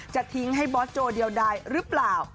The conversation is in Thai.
จะทิ้งให้บอสโจเดียวใดหรือเปล่า